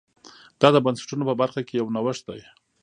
دا د بنسټونو په برخه کې یو نوښت دی.